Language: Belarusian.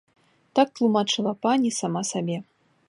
Так тлумачыла пані сама сабе.